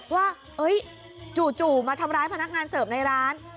ว่าจู่มาทำร้ายพนักงานเสิร์ฟในร้าน